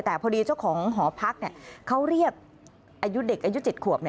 แต่พอดีเจ้าของหอพักเขาเรียกอายุเด็กอายุ๗ขวบ